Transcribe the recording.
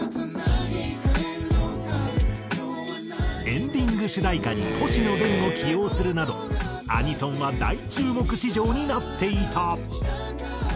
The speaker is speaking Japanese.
エンディング主題歌に星野源を起用するなどアニソンは大注目市場になっていた。